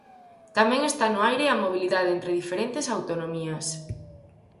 Tamén está no aire a mobilidade entre diferentes autonomías.